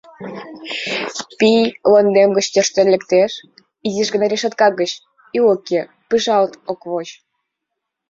Пий лондем гыч тӧрштен лектеш, изиш гына решотка кокла гыч ӱлыкӧ пыжалт ок воч.